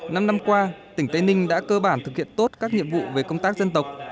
năm năm qua tỉnh tây ninh đã cơ bản thực hiện tốt các nhiệm vụ về công tác dân tộc